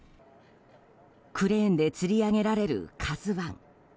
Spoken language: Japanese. クレーンでつり上げられる「ＫＡＺＵ１」。